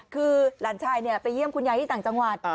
คือหลานชายนี้ไปเยี่ยมขุกุญญายที่ต่ำจังหวัด